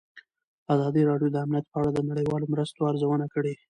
ازادي راډیو د امنیت په اړه د نړیوالو مرستو ارزونه کړې.